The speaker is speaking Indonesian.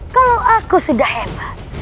kalau aku sudah hebat